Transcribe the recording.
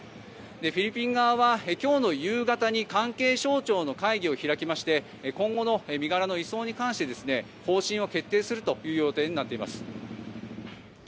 フィリピン側は、今日の夕方に関係省庁の会議を開きまして今後の身柄の移送に関して方針を決定するという予定になっています。